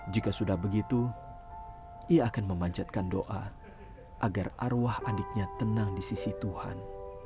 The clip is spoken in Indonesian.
jika sudah begitu ia akan memanjatkan doa agar arwah adiknya tenang di sisi tuhan